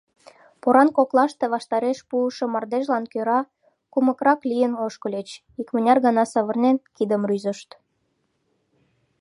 Поран коклаште ваштареш пуышо мардежлан кӧра кумыкрак лийын ошкыльыч, икмыняр гана савырнен, кидым рӱзышт.